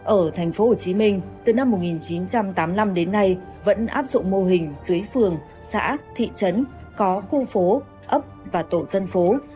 ở thành phố hồ chí minh từ năm một nghìn chín trăm tám mươi năm đến nay vẫn áp dụng mô hình dưới phường xã thị trấn có khu phố ấp và tổ dân phố